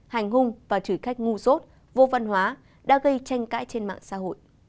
hành hung và chửi khách ngu rốt vô văn hóa đã gây tranh cãi trên mạng xã hội